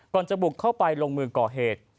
จะบุกเข้าไปลงมือก่อเหตุ